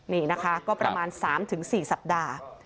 นี่นะคะก็ประมาณ๓๔สัปดาห์